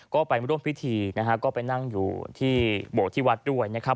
ก็ไปร่วมพิธีนะฮะก็ไปนั่งอยู่ที่โบสถ์ที่วัดด้วยนะครับ